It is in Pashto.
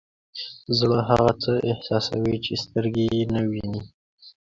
زړه هغه څه احساسوي چې سترګې یې نه ویني.